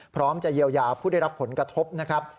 พร้อมจะเยียวยาผู้ได้รับผลกระทบนะครับ